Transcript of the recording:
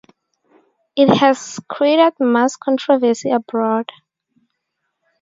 It has created mass controversy abroad.